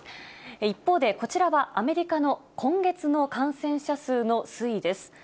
一方で、こちらはアメリカの今月の感染者数の推移です。